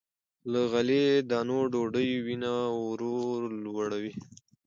له غلې- دانو ډوډۍ وینه ورو لوړوي.